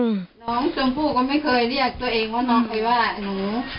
น้องจมพู่ก็ไม่เคยเรียกตัวเองว่าน้องใครว่าหนูสักที